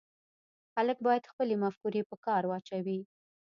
خلک باید خپلې مفکورې په کار واچوي